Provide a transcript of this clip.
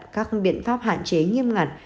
các biện pháp hạn chế nghiêm ngặt